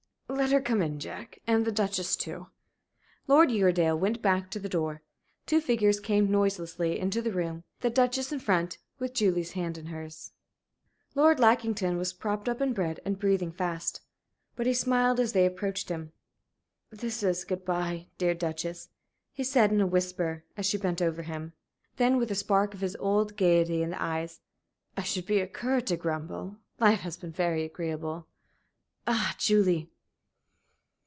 "Let her come in, Jack and the Duchess, too." Lord Uredale went back to the door. Two figures came noiselessly into the room, the Duchess in front, with Julie's hand in hers. Lord Lackington was propped up in bed, and breathing fast. But he smiled as they approached him. "This is good bye, dear Duchess," he said, in a whisper, as she bent over him. Then, with a spark of his old gayety in the eyes, "I should be a cur to grumble. Life has been very agreeable. Ah, Julie!"